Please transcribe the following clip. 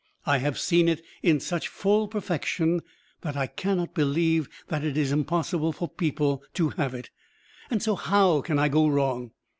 I have seen it in such full perfection that I cannot believe that it is impossible for people to have it. And so how can I go wrong?